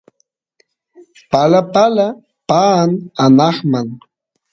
palapala paan anqman